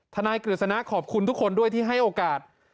นายกฤษณะขอบคุณทุกคนด้วยที่ให้โอกาส